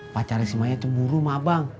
pacar si maya itu buru sama abang